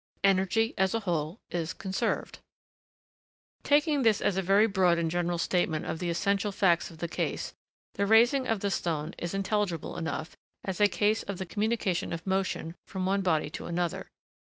Energy, as a whole, is conserved. Taking this as a very broad and general statement of the essential facts of the case, the raising of the stone is intelligible enough, as a case of the communication of motion from one body to another.